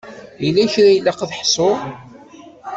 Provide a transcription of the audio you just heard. Yella kra ilaq ad t-ḥsuɣ?